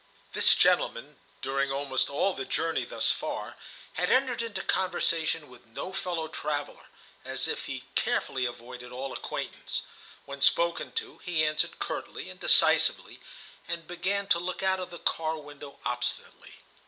This gentleman, during almost all the journey thus far, had entered into conversation with no fellow traveller, as if he carefully avoided all acquaintance. When spoken to, he answered curtly and decisively, and began to look out of the car window obstinately.